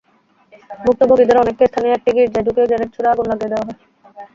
ভুক্তভোগীদের অনেককে স্থানীয় একটি গির্জায় ঢুকিয়ে গ্রেনেড ছুড়ে আগুন ধরিয়ে দেওয়া হয়।